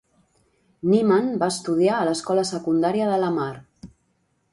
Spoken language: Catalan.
Niemann va estudiar a l'Escola Secundària de Lamar.